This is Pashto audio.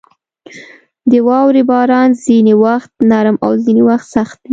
• د واورې باران ځینې وخت نرم او ځینې سخت وي.